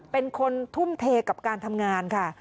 เป็นคนทุ่มเทกับการทำงานค่ะ